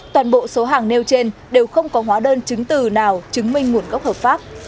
toàn bộ số hàng nêu trên đều không có hóa đơn chứng từ nào chứng minh nguồn gốc hợp pháp